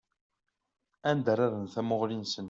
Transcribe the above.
Anda ara rren tamuɣli-nsen.